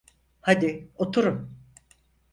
Hadi, oturun.